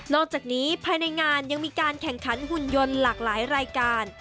อกจากนี้ภายในงานยังมีการแข่งขันหุ่นยนต์หลากหลายรายการ